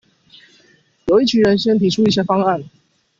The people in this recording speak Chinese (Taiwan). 由一群人先提出一些方案